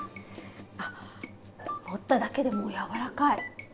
あっ持っただけでもう柔らかい！